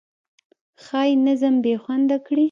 ښایي نظم بې خونده کړي.